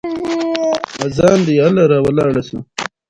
ډيپلومات د بهرني سیاست مهم تطبیق کوونکی دی.